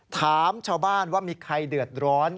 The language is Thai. ถามชาวบ้านว่ามีใครเดือดร้อน